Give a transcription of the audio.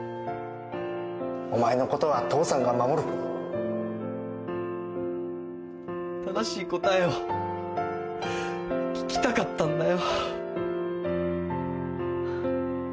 お前のことは父さんが守る正しい答えを聞きたかったんだよ。